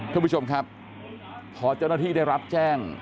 ท่านผู้ชมครับพอเจ้าหน้าที่ได้รับแจ้ง